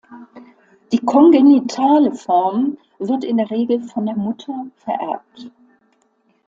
Die kongenitale Form wird in der Regel von der Mutter vererbt.